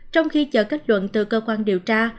trong khi chờ kết luận từ cơ quan điều tra